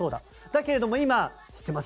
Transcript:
だけれども今知ってます？